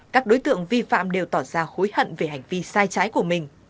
các đối tượng vi phạm đều tỏ ra hối hận về hành vi sai trái của mình